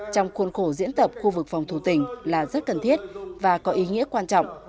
trong khuôn khổ diễn tập khu vực phòng thủ tỉnh là rất cần thiết và có ý nghĩa quan trọng